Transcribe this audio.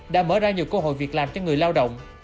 đã mở ra nhiều cơ hội việc làm cho người lao động